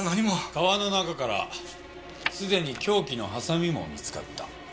川の中から既に凶器のハサミも見つかった。